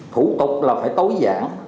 thủ tục là phải tối giãn